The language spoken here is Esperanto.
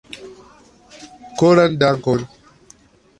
Koran dankon